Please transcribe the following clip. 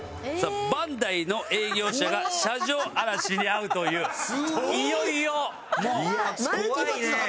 バンダイの営業車が車上荒らしに遭うといういよいよもう。